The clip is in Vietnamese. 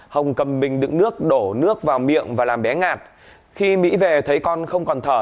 hồng cầm bình đựng nước đổ nước vào miệng và làm bé ngạt khi mỹ về thấy con không còn thở